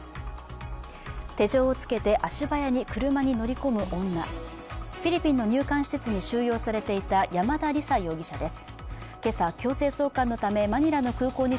手錠をつけて足早に車に乗り込む女、フィリピンの入管施設に収容されていた山田李沙容疑者です。